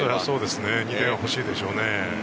２点は欲しいでしょうね。